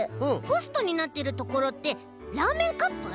ポストになってるところってラーメンカップ？